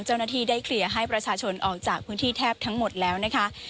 เจ้าหน้าที่ได้เคลียร์ให้ประชาชนออกจากพื้นที่แทบทั้งหมดแล้วนะคะ